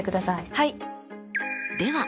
はい。